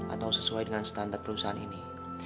atau sesuai dengan standar perusahaan ini